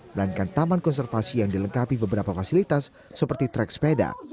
melainkan taman konservasi yang dilengkapi beberapa fasilitas seperti trek sepeda